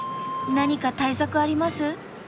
何か対策あります？